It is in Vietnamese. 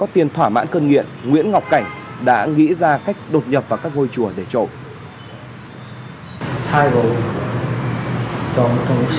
tiền thỏa mãn cơn nghiện nguyễn ngọc cảnh đã nghĩ ra cách đột nhập vào các ngôi chùa để trộm